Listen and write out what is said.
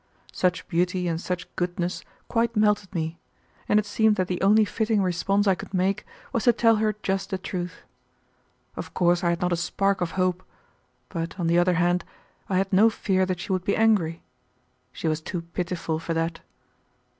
Such beauty and such goodness quite melted me, and it seemed that the only fitting response I could make was to tell her just the truth. Of course I had not a spark of hope, but on the other hand I had no fear that she would be angry. She was too pitiful for that.